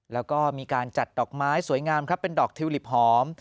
แล้วก็มีการจัดดอกไม้สวยงามครับเป็นดอกทิวลิปหอม